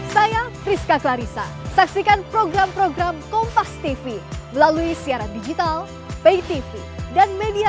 saya priska clarissa saksikan program program kompas tv melalui siaran digital pay tv dan media